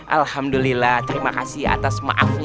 alhamdulillah terima kasih atas maafnya